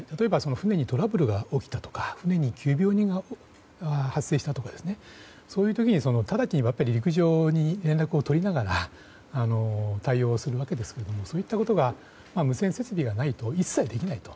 船にトラブルが起きたとか急病人が発生したとかそういう時に直ちに陸上に連絡を取りながら対応するわけですけどそういったことが無線設備がないと一切できないと。